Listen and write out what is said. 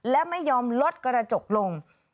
และไม่ยอมลดกระจกลง